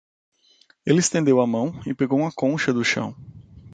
Ele estendeu a mão e pegou uma concha do chão.